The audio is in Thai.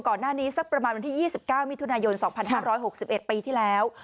ก่อนหน้านี้สักประมาณวันที่๒๙มิถุนายน๒๕๖๑ปีที่แล้ว